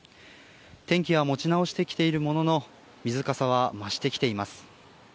天気は持ち直してきているものの、水かさは増してきています。